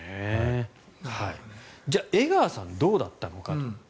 じゃあ、江川さんはどうだったのか。